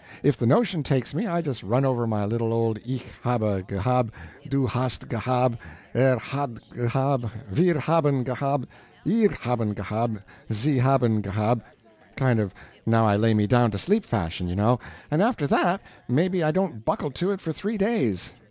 If the notion takes me, I just run over my little old ICH HABE GEHABT, DU HAST GEHABT, ER HAT GEHABT, WIR HABEN GEHABT, IHR HABEN GEHABT, SIE HABEN GEHABT kind of 'Now I lay me down to sleep' fashion, you know, and after that, maybe I don't buckle to it for three days.